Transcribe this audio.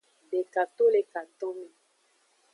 Deka to le katonme.